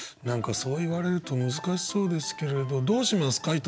何かそう言われると難しそうですけれどどうしますか？